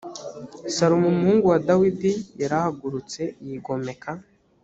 salomo umuhungu wa dawidi yarahagurutse yigomeka